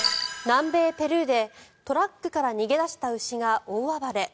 南米ペルーでトラックから逃げ出した牛が大暴れ。